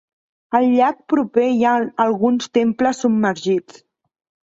Al llac proper hi ha alguns temples submergits.